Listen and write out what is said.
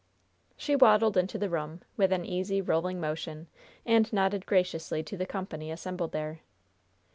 She waddled into the room, with an easy, rolling motion, and nodded graciously to the company assembled there.